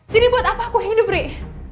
jadi buat apa aku hidup rik